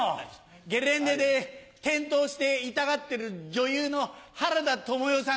ゲレンデで転倒して痛がってる女優の原田知世さん